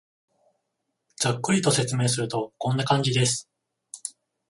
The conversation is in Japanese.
ざっくりと説明すると、こんな感じです